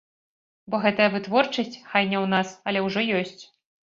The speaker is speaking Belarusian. Бо гэтая вытворчасць, хай не ў нас, але ўжо ёсць.